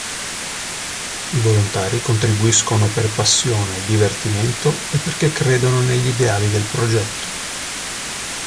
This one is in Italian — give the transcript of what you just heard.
I volontari contribuiscono per passione, divertimento e perché credono negli ideali del progetto.